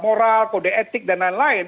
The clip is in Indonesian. moral kode etik dan lain lain